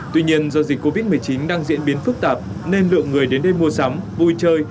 tuy nhiên do dịch covid một mươi chín đang diễn biến phức tạp nên lượng người đến đây mua sắm vui chơi